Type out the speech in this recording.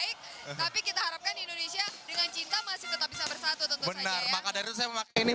indonesia dengan cinta masih tetap bisa bersatu tentu saja benar maka dari itu saya memakai ini